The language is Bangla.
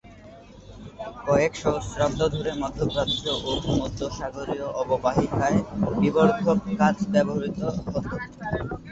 কয়েক সহস্রাব্দ ধরে মধ্যপ্রাচ্য ও ভূমধ্যসাগরীয় অববাহিকায় বিবর্ধক কাচ ব্যবহৃত হতো।